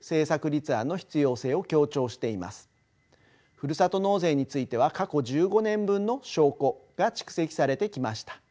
ふるさと納税については過去１５年分の「証拠」が蓄積されてきました。